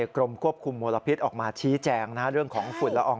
กรมควบคุมมลพิษออกมาชี้แจงเรื่องของฝุ่นละออง